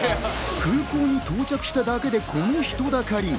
空港に到着しただけで、この人だかり。